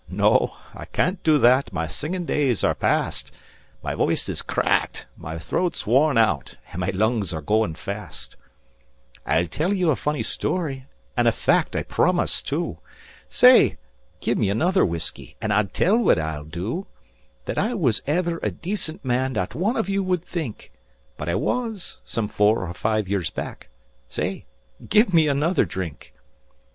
No, I can't do that; my singing days are past; My voice is cracked, my throat's worn out, and my lungs are going fast. "I'll tell you a funny story, and a fact, I promise, too. Say! Give me another whiskey, and I'll tell what I'll do That I was ever a decent man not one of you would think; But I was, some four or five years back. Say, give me another drink.